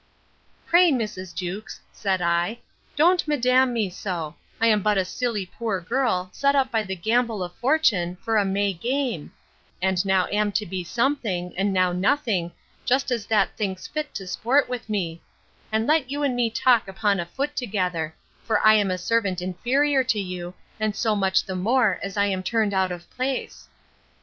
Pray, Mrs. Jewkes, said I, don't madam me so: I am but a silly poor girl, set up by the gambol of fortune, for a May game; and now am to be something, and now nothing, just as that thinks fit to sport with me: And let you and me talk upon a foot together; for I am a servant inferior to you, and so much the more, as I am turned out of place.